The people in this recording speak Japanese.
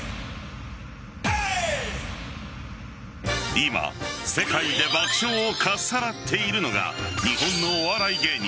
今、世界で爆笑をかっさらっているのが日本のお笑い芸人